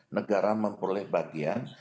negara memproyek bagian